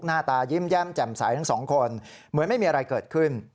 หน้าตายิ้มแย้มแจ่มใสทั้งสองคนเหมือนไม่มีอะไรเกิดขึ้น